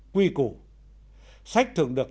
quy củ sách thường được